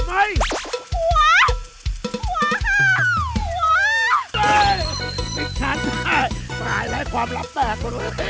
เฮ้ยพี่ฉันตายตายแล้วความลับแตก